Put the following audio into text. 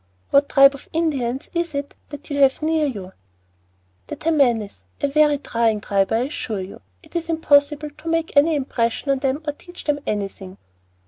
"What tribe of Indians is it that you have near you?" "The Tammanies, a very trying tribe, I assure you. It seems impossible to make any impression on them or teach them anything."